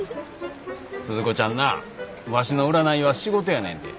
鈴子ちゃんなワシの占いは仕事やねんで。